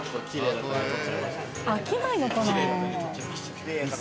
飽きないのかな？